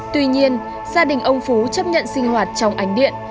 tuy nhiên gia đình ông phú chấp nhận sinh hoạt trong ánh điện